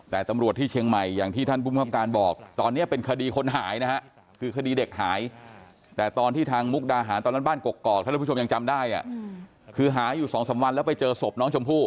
แต่ตำรวจที่เชียงใหม่อย่างที่ท่านภูมิครับการบอกตอนนี้เป็นคดีคนหายนะฮะคือคดีเด็กหายแต่ตอนที่ทางมุกดาหารตอนนั้นบ้านกกอกท่านผู้ชมยังจำได้คือหายอยู่๒๓วันแล้วไปเจอศพน้องชมพู่